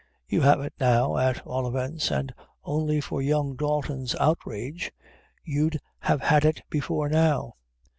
You have it now, at all events an' only for young Dalton's outrage, you'd have had it before now."